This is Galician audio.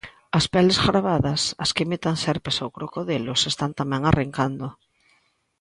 As peles gravadas, as que imitan serpes ou crocodilos están tamén arrincando.